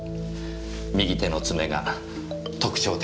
右手の爪が特徴的でした。